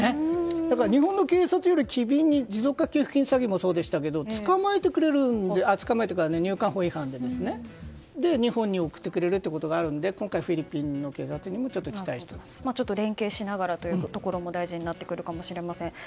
だから、日本の警察よりも機敏に持続化給付金詐欺もそうでしたが捕まえてくれるというか入管法違反で日本に送ってくれることがあるので今回フィリピンの警察にも連携しながらというところも大事になってくるかもしれません。